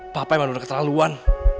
papa emang udah keterlaluan